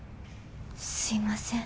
すいません。